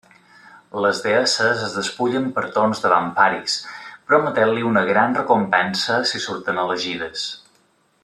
Les deesses es despullen per torns davant Paris, prometent-li una gran recompensa si surten elegides.